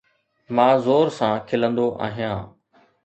مان زور سان کلندو آهيان